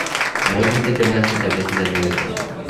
Модин Текебаевдин кабинетинин жанынан өттү.